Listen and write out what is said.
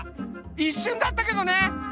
いっしゅんだったけどね。